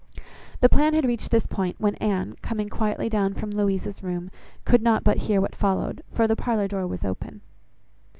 The plan had reached this point, when Anne, coming quietly down from Louisa's room, could not but hear what followed, for the parlour door was open.